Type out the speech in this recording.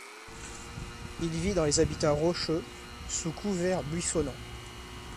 Il vit dans les habitats rocheux, sous couvert buissonnant.